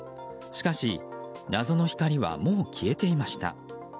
しかし、謎の光はもう消えていました。